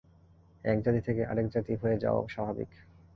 এক জাতি থেকে আর এক জাতি হয়ে যাওয়াও স্বাভাবিক।